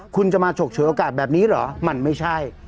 คุณจะมาฉกฉวยโอกาสแบบนี้เหรอมันไม่ใช่